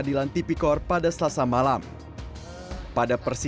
menyatakan banyak keterangan jaksa pinangki